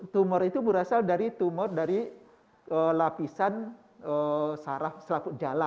tumor itu berasal dari tumor dari lapisan saraput jala